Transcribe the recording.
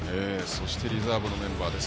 そしてリザーブメンバーです。